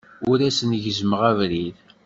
Ur asen-gezzmeɣ abrid.